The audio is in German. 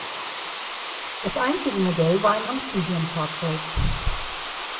Das einzige Modell war ein Amphibienfahrzeug.